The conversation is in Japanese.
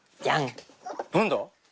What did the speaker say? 何だ？